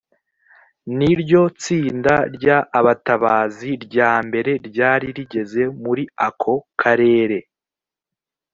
ni ryo tsinda ry abatabazi rya mbere ryari rigeze muri ako karere